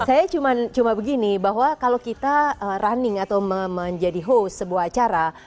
saya cuma begini bahwa kalau kita running atau menjadi host sebuah acara